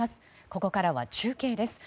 ここからは中継です。